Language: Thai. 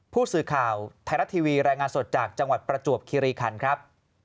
ผู้สื่อข่าวไทยรัฐทีวีรายงานสดจากจังหวัดประจวบคิริคันครับ